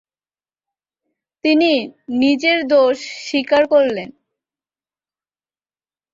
তিনি নিজের দোষ স্বীকার করলেন।